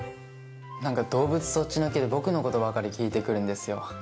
何か動物そっちのけで僕のことばかり聞いて来るんですよ。